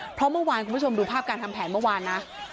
เพราะเมื่อวานคุณผู้ชมดูภาพการทำแผนเมื่อวานนะ